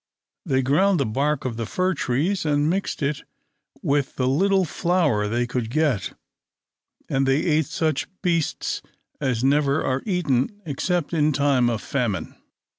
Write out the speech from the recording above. They ground the bark of the fir trees, and mixed it with the little flour they could get; and they ate such beasts as never are eaten except in time of famine.